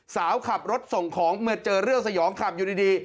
สาวขับรถส่งของเมื่อเจอเรื่องสยองขับอยู่ดี